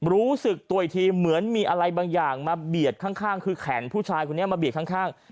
รู้สึกตัวอีกทีเหมือนมีอะไรบางอย่างมาเบียดข้างคือแขนผู้ชายคนนี้มาเบียดข้าง